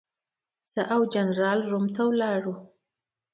زه او جنرال روم ته ولاړو.